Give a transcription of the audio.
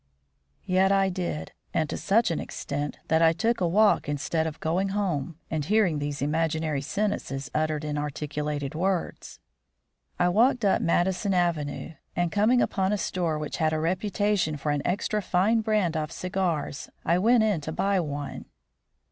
Yet I did; and to such an extent that I took a walk instead of going home and hearing these imaginary sentences uttered in articulated words. I walked up Madison Avenue, and, coming upon a store which had a reputation for an extra fine brand of cigars, I went in to buy one.